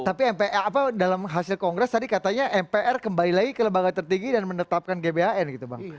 tapi dalam hasil kongres tadi katanya mpr kembali lagi ke lembaga tertinggi dan menetapkan gbhn gitu bang